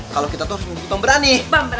kalau kita tuh harus membutuhkan berani